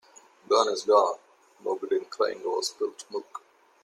Gone is gone. No good in crying over spilt milk.